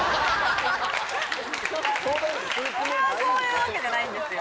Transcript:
それはそういうわけじゃないんですよ。